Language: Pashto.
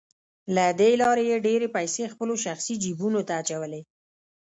له دې لارې يې ډېرې پيسې خپلو شخصي جيبونو ته اچولې.